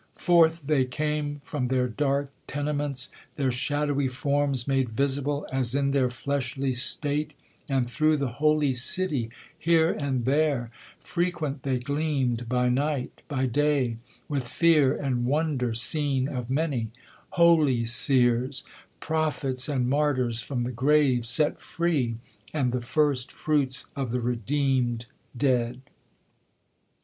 Forth they came From their dark tenements, their shadowy forms Made visible as in their fleshly state, And through the holy city here and there Frequent they gleam'd, by night, by day, with fear And wonder seen of many : holy seers, Prophets and martyrs from the grave set free, And the first fruits of the redeemed dead.